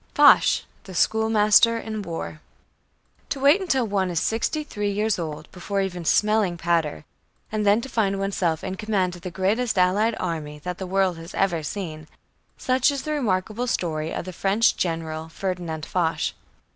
FOCH THE SCHOOLMASTER IN WAR To wait until one is sixty three years old before even smelling powder and then to find oneself in command of the greatest allied army that the world has ever seen such is the remarkable story of the French General, Ferdinand Foch.